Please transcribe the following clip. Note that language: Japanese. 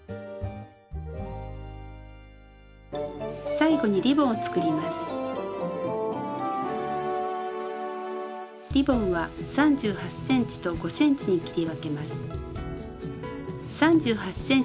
最後にリボンは３８ｃｍと５ｃｍに切り分けます。